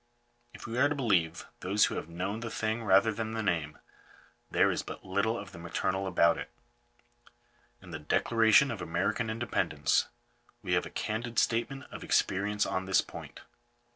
If we are to believe those who have known the thing rather than the name, there is but little of the maternal about it In the Declaration of American Independence we have a candid statement of experience on this point.